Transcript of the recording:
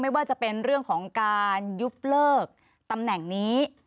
ไม่ว่าจะเป็นเรื่องของการยุบเลิกตำแหน่งนี้